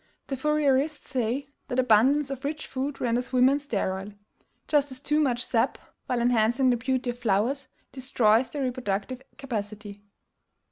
The Fourierists say, that abundance of rich food renders women sterile; just as too much sap while enhancing the beauty of flowers destroys their reproductive capacity.